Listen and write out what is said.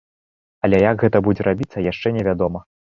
Але як гэта будзе рабіцца, яшчэ не вядома.